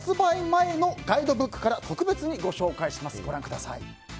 前のガイドブックから特別にご紹介します。